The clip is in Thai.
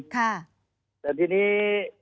แต่ทีนี้